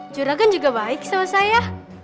juragan juga baik sama saya